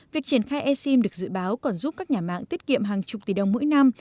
việc triển khai e sim được dự báo còn giúp các nhà mạng tiết kiệm hàng chục tỷ đồng mỗi năm